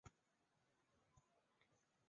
其中彗莲更是一直暗恋武零斗。